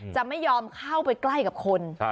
จะไม่ยอมเข้าไปใกล้กับคน